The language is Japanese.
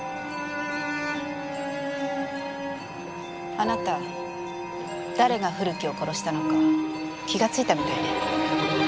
あなた誰が古木を殺したのか気がついたみたいね。